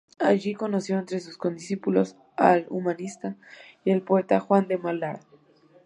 Allí conoció entre sus condiscípulos al humanista y poeta Juan de Mal Lara.